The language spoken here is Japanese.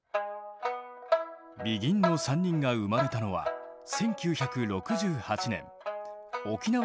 ＢＥＧＩＮの３人が生まれたのは１９６８年沖縄県石垣島。